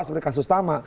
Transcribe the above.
seperti kasus tama